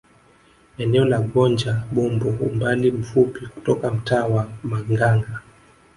Eneo la Gonja Bombo umbali mfupi kutoka mtaa wa Manganga